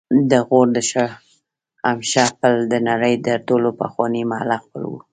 د غور د شاهمشه پل د نړۍ تر ټولو پخوانی معلق پل و